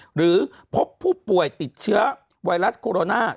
หรือพบผู้ป่วยติดเชื้อไวรัสโคโรนา